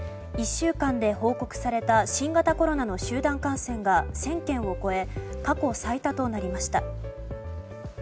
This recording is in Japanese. １週間で報告された新型コロナの集団感染が１０００件を超え過去最多となりました。